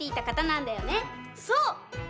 そう！